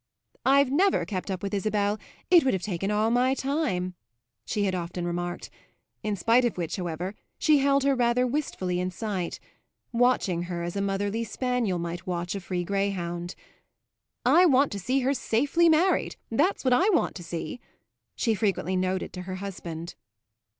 "I've never kept up with Isabel it would have taken all my time," she had often remarked; in spite of which, however, she held her rather wistfully in sight; watching her as a motherly spaniel might watch a free greyhound. "I want to see her safely married that's what I want to see," she frequently noted to her husband.